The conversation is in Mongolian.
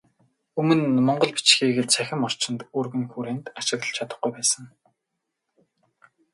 Өмнө монгол бичгийг цахим орчинд өргөн хүрээнд ашиглаж чадахгүй байсан.